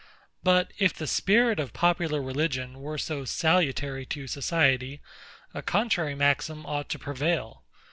But if the spirit of popular religion were so salutary to society, a contrary maxim ought to prevail.